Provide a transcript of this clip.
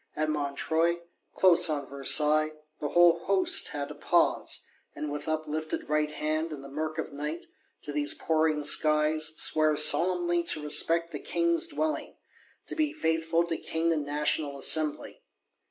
At Montreuil, close on Versailles, the whole Host had to pause; and, with uplifted right hand, in the murk of Night, to these pouring skies, swear solemnly to respect the King's Dwelling; to be faithful to King and National Assembly.